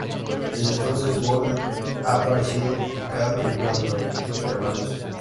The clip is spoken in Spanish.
Desde entonces, Gourmet ha aparecido en cada película de los hermanos.